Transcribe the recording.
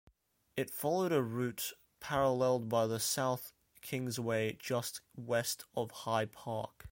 It followed a route paralleled by the South Kingsway just west of High Park.